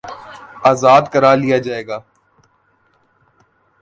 آزاد کرا لیا جائے گا